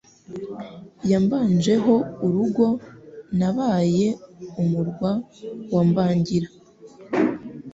Yambanje ho urugo Nabaye umurwa wa Mbangira.